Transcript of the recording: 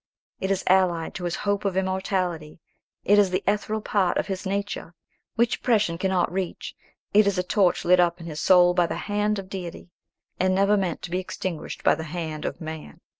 It is allied to his hope of immortality; it is the ethereal part of his nature, which oppression cannot reach; it is a torch lit up in his soul by the hand of Deity, and never meant to be extinguished by the hand of man."